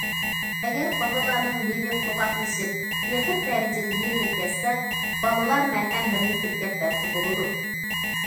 ئەگەر بالىلارنىڭ لېۋى قۇرغاقلىشىپ ئېغىر دەرىجىدە يېرىلىپ كەتسە، بالىلار مەلھەملەرنى سۈركەپ بەرسە بولىدۇ.